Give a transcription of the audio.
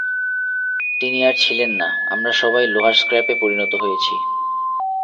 তিনি আর ছিলেন না, আমরা সবাই লোহার স্ক্র্যাপে পরিণত হয়েছি।